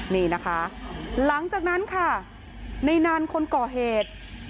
นี่นะคะหลังจากนั้นค่ะในนานคนก่อเหตุ